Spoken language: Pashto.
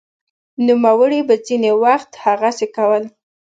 نوموړي به ځیني وخت هغسې کول